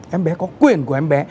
em bé có quyền của em bé